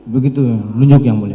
begitu ya lunjuk ya mulia